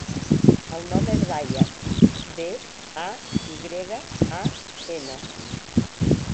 El nom és Bayan: be, a, i grega, a, ena.